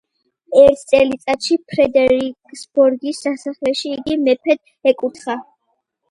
ერთ წელიწადში, ფრედერიკსბორგის სასახლეში იგი მეფედ ეკურთხა.